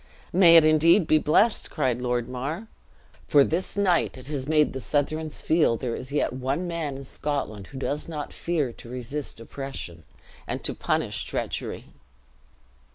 "May it indeed be blessed!" cried Lord Mar; "for this night it has made the Southrons feel there is yet one man in Scotland who does not fear to resist oppression, and to punish treachery."